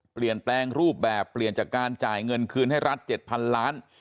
เปลี่ยนแปลงรูปแบบเปลี่ยนจากการจ่ายเงินคืนให้รัฐ๗๐๐ล้าน